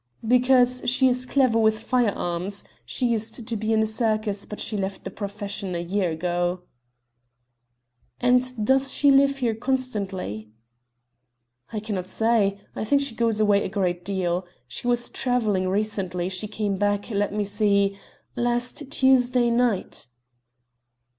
"Because she is clever with firearms. She used to be in a circus, but she left the profession a year ago." "And does she live here constantly?" "I cannot say. I think she goes away a great deal. She was travelling recently; she came back let me see last Tuesday night."